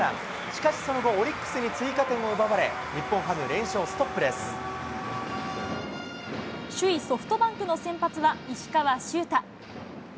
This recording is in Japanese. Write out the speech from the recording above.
しかし、その後、オリックスに追加点を奪われ、日本ハム、首位ソフトバンクの先発は、石川柊太。